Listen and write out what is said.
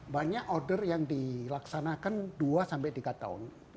banyak order yang dilaksanakan dua sampai tiga tahun